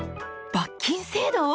罰金制度！